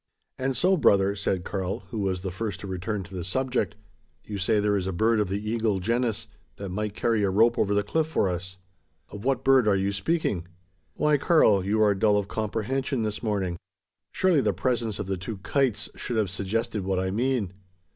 "And so, brother," said Karl, who was the first to return to the subject, "you say there is a bird of the eagle genus, that might carry a rope over the cliff for us. Of what bird are you speaking?" "Why, Karl, you are dull of comprehension this morning. Surely the presence of the two kites should have suggested what I mean."